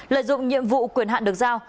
lợi dụng nhiệm vụ quyền hạn được giao